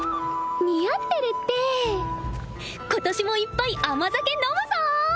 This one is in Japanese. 似合ってるって今年もいっぱい甘酒飲むぞ！